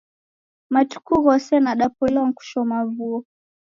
Matuku ghose nadapoilwa ni kushoma vuo.